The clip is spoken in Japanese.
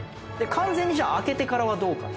完全に明けてからはどうかと。